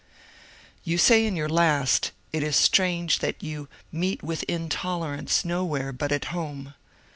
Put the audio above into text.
You say in vour last it is strange that you *^ meet with in tolerance nowhere but at home."